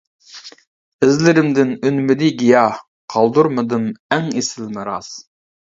ئىزلىرىمدىن ئۈنمىدى گىياھ، قالدۇرمىدىم ئەڭ ئېسىل مىراس.